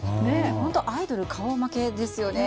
アイドル顔負けですよね。